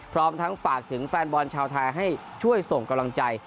พร้อมทั้งฝากถึงแฟนบอลชาวไทยให้ช่วยส่งกำลังใจ